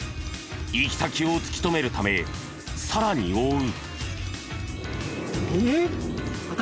行き先を突き止めるためさらに追う。